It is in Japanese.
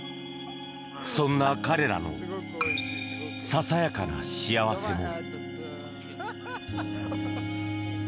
そんな、彼らのささやかな幸せも。